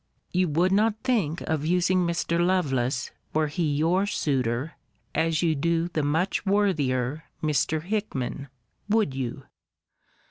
You would not think of using Mr. Lovelace, were he your suitor, as you do the much worthier Mr. Hickman would you?